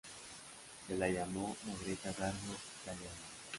Se la llamó "La Greta Garbo italiana".